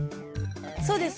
そうです